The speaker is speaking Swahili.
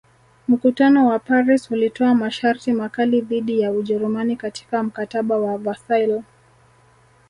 Mkutano wa Paris ulitoa masharti makali dhidi ya Ujerumani katika Mkataba wa Versaille